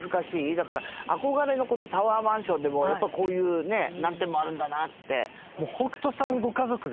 だから憧れのタワーマンションでもやっぱこういう難点もあるんだなって。